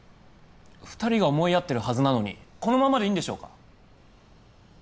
二人が思い合ってるはずなのにこのままでいいんでしょうか？